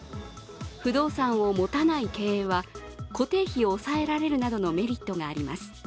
不動産を持たない経営は固定費を抑えられるなどのメリットがあります。